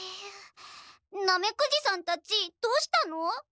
ナメクジさんたちどうしたの？